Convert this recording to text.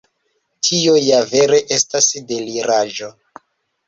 Tio ja vere estas deliraĵo.